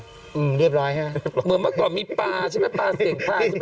เหมือนเมื่อก่อนมีปลาใช่มั้ยปลาเสียงถ่าย